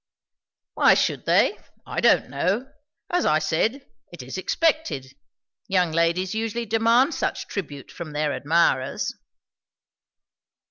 "Why should they? I don't know. As I said, it is expected. Young ladies usually demand such tribute from their admirers."